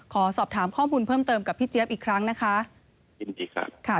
ขอสอบถามข้อมูลเพิ่มเติมกับพี่เจี๊ยบอีกครั้งนะคะ